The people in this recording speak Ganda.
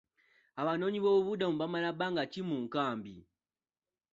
Abanoonyi b'obubudamu bamala bbanga ki mu nkambi ?